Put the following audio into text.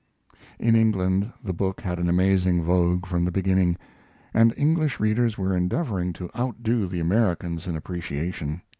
In England the book had an amazing vogue from the beginning, and English readers were endeavoring to outdo the Americans in appreciation.